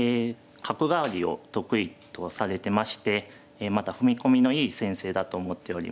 角換わりを得意とされてましてまた踏み込みのいい先生だと思っております。